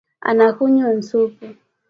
Anakunywa nsupu